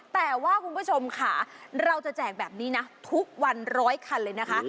แต่ว่าคุณผู้ชมค่ะเราจะแจกแบบนี้นะทุกวันร้อยคันเลยนะคะ